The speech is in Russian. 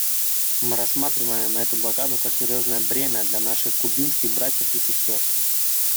Мы рассматриваем эту блокаду как серьезное бремя для наших кубинских братьев и сестер.